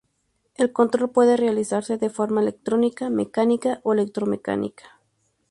El control puede realizarse de forma electrónica, mecánica o electromecánica.